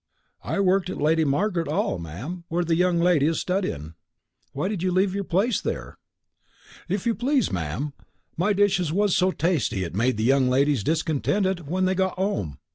"I worked at Lady Marg'ret 'All, ma'am, where the young lady is studyin'." "Why did you leave your place there?" "If you please, ma'am, my dishes was so tasty that it made the young ladies discontented when they got 'ome.